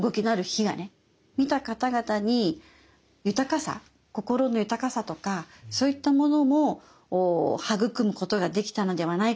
見た方々に豊かさ心の豊かさとかそういったものも育むことができたのではないかなぁ。